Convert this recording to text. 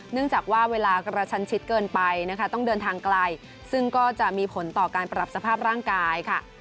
เนื่องจากว่าเวลากระชันชิดเกินไปนะคะต้องเดินทางไกลซึ่งก็จะมีผลต่อการปรับสภาพร่างกายค่ะ